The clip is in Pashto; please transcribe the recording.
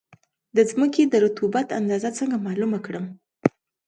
د ځمکې د رطوبت اندازه څنګه معلومه کړم؟